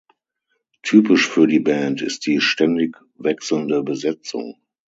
Typisch für die Band ist die ständig wechselnde Besetzung.